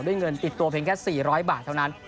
เงินติดตัวเพียงแค่๔๐๐บาทเท่านั้น